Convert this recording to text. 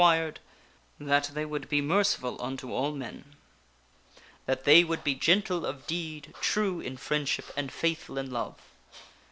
quired ; that they would be merciful unto all men ; that they would be gentle of deed, true in friendship, and faithful in love.